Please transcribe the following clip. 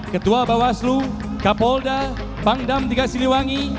ketua bawaslu kapolda pangdam tiga siliwangi